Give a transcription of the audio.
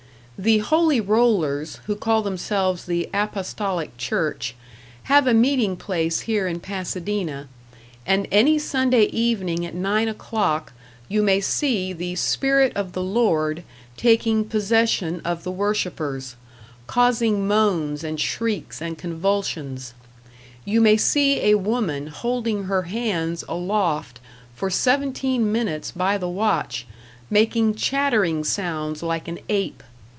The "Holy Rollers", who call themselves the "Apostolic Church", have a meeting place here in Pasadena, and any Sunday evening at nine o'clock you may see the Spirit of the Lord taking possession of the worshippers, causing moans and shrieks and convulsions; you may see a woman holding her hands aloft for seventeen minutes by the watch, making chattering sounds like an ape.